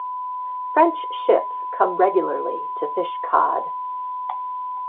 French ships came regularly to fish cod.